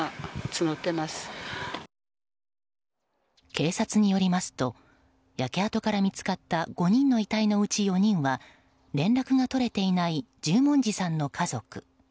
警察によりますと焼け跡から見つかった５人の遺体のうち４人は連絡が取れていない十文字さんの家族。